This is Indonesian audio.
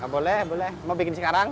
boleh boleh mau bikin sekarang